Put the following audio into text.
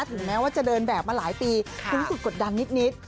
ถึงแม้ว่าจะเดินแบบมาหลายปีคุณรู้สึกกดดันนิด